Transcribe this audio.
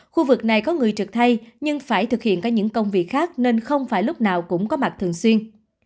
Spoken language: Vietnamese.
khu vực này có người trực thay nhưng phải thực hiện có những công việc khác nên không phải lúc nào cũng có mặt thường xuyên